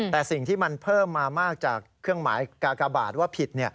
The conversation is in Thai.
แต่สิ่งที่มันเพิ่มมามากจากเครื่องหมายกากบาทว่าผิด